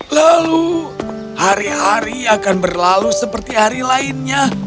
lalu hari hari akan berlalu seperti hari lainnya